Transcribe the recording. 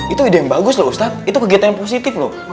itu ide yang bagus loh ustadz itu kegiatan yang positif loh